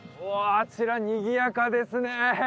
あちらにぎやかですね